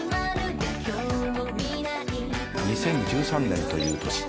２０１３年という年。